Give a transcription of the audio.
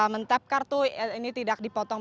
mentep kartu ini tidak dipotong